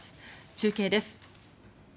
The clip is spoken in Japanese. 中継です。